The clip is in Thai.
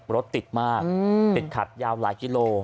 รถติดมากติดขัดยาวหลายกิโล